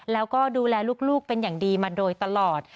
แล้วก็ดูแลลูกเป็นอย่างดีมาโดยตลอด